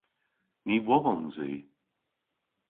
Ny wodhons i.